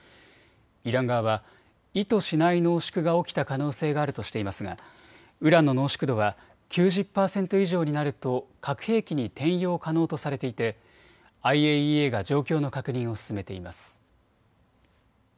イラン側は意図しない濃縮が起きた可能性があるとしていますがウランの濃縮度は９０％以上になると核兵器に転用可能とされていてＩＡＥＡが状況の確認を進めています。